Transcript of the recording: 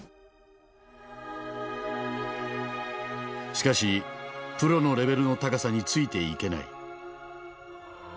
しかしプロのレベルの高さについていけない。